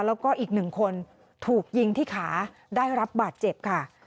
แล้วก็อีกหนึ่งคนถูกยิงที่ขาได้รับบาดเจ็บค่ะ